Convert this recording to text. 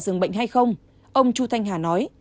dừng bệnh hay không ông chu thanh hà nói